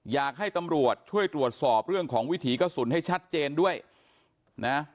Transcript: อยากให้ตำรวจช่วยตรวจสอบเรื่องของวิถีกระสุนให้ชัดเจนด้วยนะ